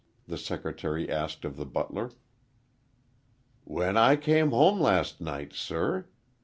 the secretary asked of the butler. "When I came home last night, sir.